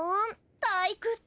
たいくつ。